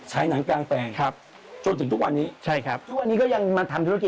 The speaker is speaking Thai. ฉายหนังกลางแปลงจนถึงทุกวันนี้คุณต้องใช้ฉายหนังกลางแปลงจนถึงทุกวันนี้